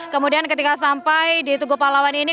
kemudian ketika sampai di tugu pahlawan ini